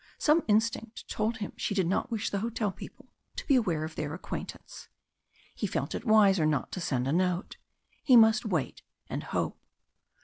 Some instinct told him she did not wish the hotel people to be aware of their acquaintance. He felt it wiser not to send a note. He must wait and hope.